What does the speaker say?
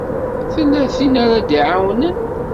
Tella tin ara d-iɛawnen?